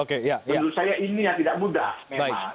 dipertimbangkan dan menurut saya ini